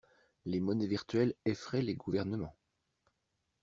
Les monnaies virtuelles effraient les gouvernements.